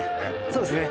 そうですね